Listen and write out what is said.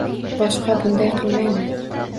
Boshqa bunday qilmayman